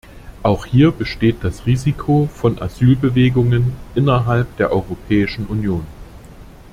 Auch hier besteht das Risiko von Asylbewegungen innerhalb der Europäischen Union.